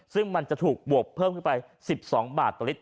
ซึ่งมันจะถูกบวกเพิ่มขึ้นไป๑๒บาทต่อลิตร